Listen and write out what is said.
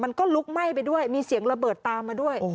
มันก็ลุกไหม้ไปด้วยมีเสียงระเบิดตามมาด้วย